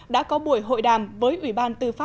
đã có buổi hội đàm với ủy ban tư pháp